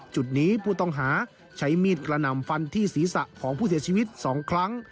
จุดนี้ผู้ต้องหาใช้มีดกระหน่ำฟันที่ศีรษะของผู้เสียชีวิต๒ครั้ง